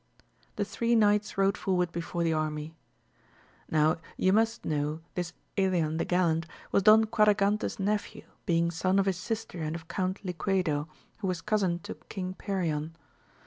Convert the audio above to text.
The three knights rode forward before the ai my. Now you must know this Elian the gallant was Don Quadragante*s nephew, being son of his sister and of Count Liquedo, who was cousin to King Perion.